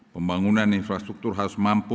pembangunan infrastruktur harus mampu